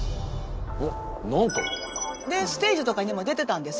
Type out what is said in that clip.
おっなんと。でステージとかにも出てたんです。